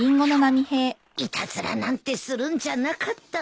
いたずらなんてするんじゃなかった。